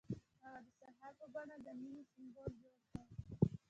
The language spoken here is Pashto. هغه د سهار په بڼه د مینې سمبول جوړ کړ.